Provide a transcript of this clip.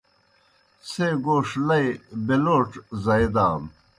څھے گوݜ لئی بِلَوڇ زائی دانوْ۔